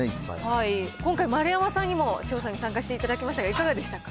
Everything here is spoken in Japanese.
今回、丸山さんにも調査に参加していただきましたが、いかがでしたか。